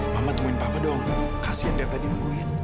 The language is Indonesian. mama tungguin papa dong kasian dia tadi nungguin